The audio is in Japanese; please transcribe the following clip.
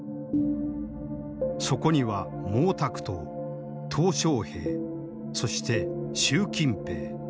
そこには毛沢東小平そして習近平。